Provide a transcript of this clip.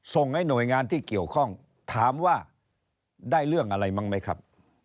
ส่งให้หน่วยงานที่เกี่ยวข้องถามว่าได้เรื่องอะไรมั้งไหมครับ